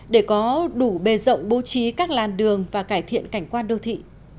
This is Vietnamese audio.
để có đủ bề rộng bố trí các làn đường và cải thiện cảnh quan đô thị